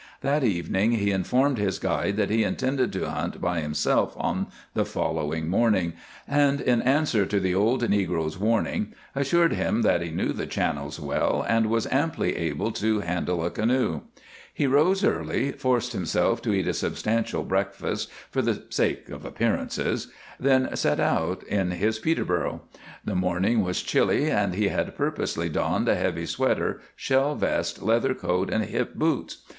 That evening he informed his guide that he intended to hunt by himself on the following morning, and in answer to the old negro's warning assured him that he knew the channels well and was amply able to handle a canoe. He rose early, forced himself to eat a substantial breakfast, for the sake of appearances, then set out in his Peterboro. The morning was chilly and he had purposely donned a heavy sweater, shell vest, leather coat, and hip boots.